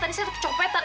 tadi saya kecopetan